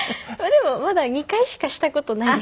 でもまだ２回しかした事ないです。